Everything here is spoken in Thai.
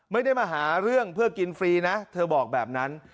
ไม่ได้มาหาเรื่องเพื่อกินฟรีนะเธอบอกแบบนั้น